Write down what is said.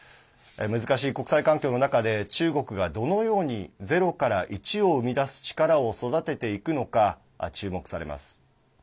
難しい国際環境の中で中国がどのようにゼロから１を生み出す力を育てていくのか注目されます。